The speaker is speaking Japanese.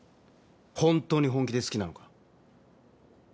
ホントに本気で好きなのか？